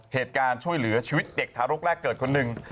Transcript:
ช่วยเหลือชีวิตเด็กทารกแรกเกิดคนหนึ่ง